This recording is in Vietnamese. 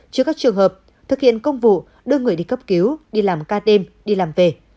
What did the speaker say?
chứa các trường hợp thực hiện công vụ đưa người đi cấp cứu đi làm ca đêm đi làm về